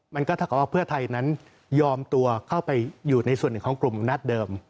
เราก็ว่าเพื่อไทยนั้นยอมตัวเข้าไปอยู่ในส่วนหนึ่งของกลุ่มอำนาจเดิม